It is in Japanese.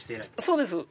そうです。